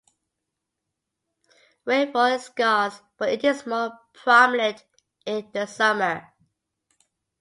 Rainfall is scarce but it is more prominent it the summer.